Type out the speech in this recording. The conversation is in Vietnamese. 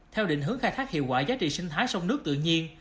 theo định hướng khai thác hiệu quả giá trị sinh thái sông nước tự nhiên